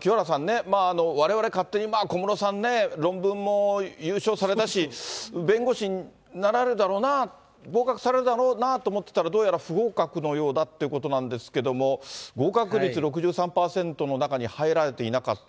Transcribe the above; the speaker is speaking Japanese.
清原さんね、われわれ勝手に小室さんね、論文も優勝されたし、弁護士になられるだろうな、合格されるだろうなと思ってたら、どうやら不合格のようだということなんですけども、合格率６３％の中に入られてなかった。